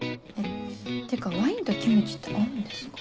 ってかワインとキムチって合うんですか？